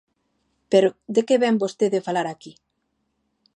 ¡Pero de que vén vostede falar aquí!